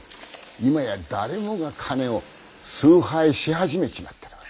今や誰もが金を崇拝し始めちまっている。